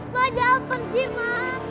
ma jangan pergi ma